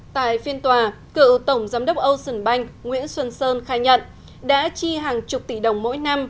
tại phiên tòa cựu tổng giám đốc ocean bank nguyễn xuân sơn khai nhận đã chi hàng chục tỷ đồng mỗi năm